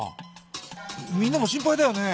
みんなも心配だよね。